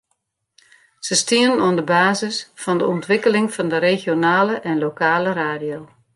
Se stienen oan de basis fan de ûntwikkeling fan de regionale en lokale radio.